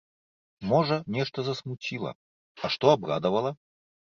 Можа, нешта засмуціла, а што абрадавала?